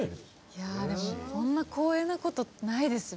いやでもこんな光栄なことってないです。